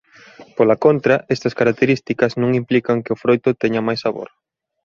Pola contra estas características non implican que o froito teña máis sabor.